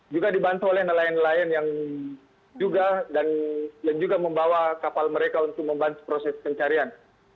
juga dibantu oleh nelayan nelayan yang juga membawa kapal mereka untuk membantu proses pencarian